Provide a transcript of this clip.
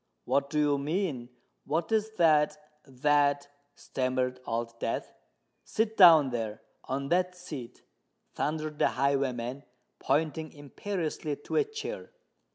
"What do you mean?—what is that—that——" stammered Old Death. "Sit down—there—on that seat!" thundered the highwayman, pointing imperiously to a chair.